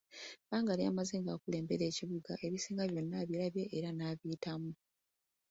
Ebbanga lyamaze ng'akulembera ekibuga ebisinga byonna abirabye era na biyitamu.